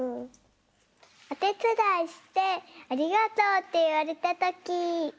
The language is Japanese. おてつだいして「ありがとう」っていわれたとき。